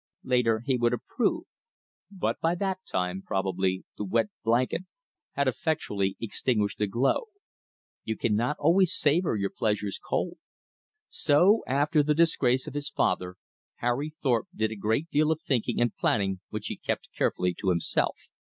Later he would approve. But by that time, probably, the wet blanket had effectually extinguished the glow. You cannot always savor your pleasures cold. So after the disgrace of his father, Harry Thorpe did a great deal of thinking and planning which he kept carefully to himself.